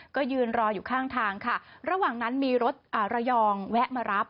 ก็ยืนรออยู่ข้างทางค่ะระหว่างนั้นมีรถระยองแวะมารับ